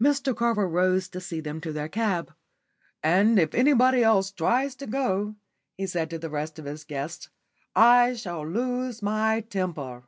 Mr Carver rose to see them to their cab. "And if anybody else tries to go," he said to the rest of his guests, "I shall lose my temper."